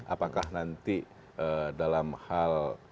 apakah nanti dalam hal